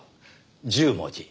１０文字。